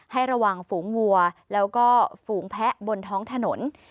ให้ระวังฝูงวัวแล้วก็ฝูงแพะบนท้องถนน